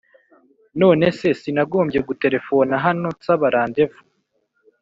nonese sinagombye guterefona hano nsaba rendez-vous!?